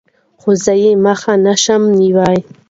خو زه يې مخه نشم نيوى.